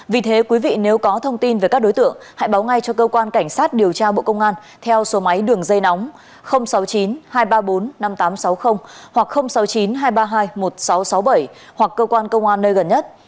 vì thế quý vị nếu có thông tin về các đối tượng hãy báo ngay cho cơ quan cảnh sát điều tra bộ công an theo số máy đường dây nóng sáu mươi chín hai trăm ba mươi bốn năm nghìn tám trăm sáu mươi hoặc sáu mươi chín hai trăm ba mươi hai một nghìn sáu trăm sáu mươi bảy hoặc cơ quan công an nơi gần nhất